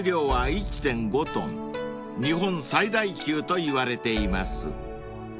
［日本最大級といわれています］